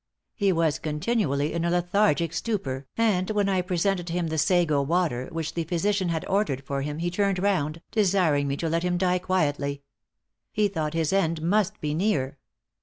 He was continually in a lethargic stupor, and when I presented him the sago water, which the physician had ordered for him, he turned round, desiring me to let him die quietly. He thought his end must be near.